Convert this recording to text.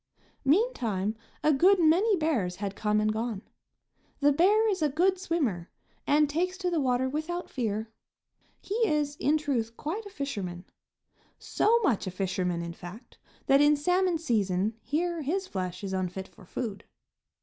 Meantime a good many bears had come and gone. The bear is a good swimmer, and takes to the water without fear. He is, in truth, quite a fisherman; so much of a fisherman, in fact, that in salmon season here his flesh is unfit for food.